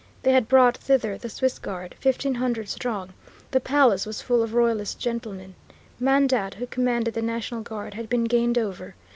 They had brought thither the Swiss guard, fifteen hundred strong; the palace was full of Royalist gentlemen; Mandat, who commanded the National Guard, had been gained over.